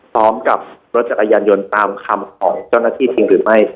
พร้อมกับรถจักรยานยนต์ตามคำของเจ้าหน้าที่จริงหรือไม่